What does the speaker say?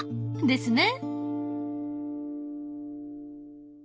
ですね。